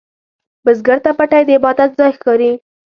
بزګر ته پټی د عبادت ځای ښکاري